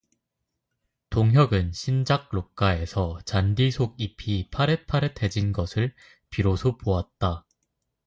동혁은 신작롯가에서 잔디 속잎이 파릇파릇해진 것을 비로소 보았다.